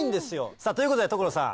さぁということで所さん